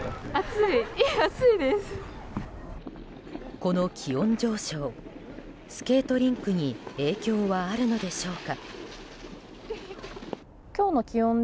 この気温上昇スケートリンクに影響はあるのでしょうか。